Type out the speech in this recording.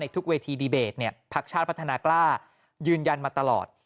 ทุกเวทีดีเบตพักชาติพัฒนากล้ายืนยันมาตลอด